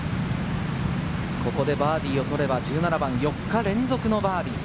ここでバーディーを取れば、１７番、４日連続のバーディー。